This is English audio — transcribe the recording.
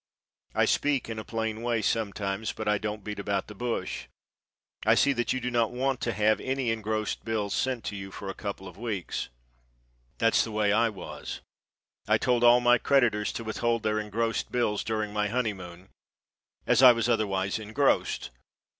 I speak in a plain way sometimes, but I don't beat about the bush. I see that you do not want to have any engrossed bills sent to you for a couple of weeks. That's the way I was. I told all my creditors to withhold their engrossed bills during my honeymoon, as I was otherwise engrossed.